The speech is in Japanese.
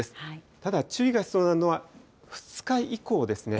ただ、注意が必要なのは２日以降ですね。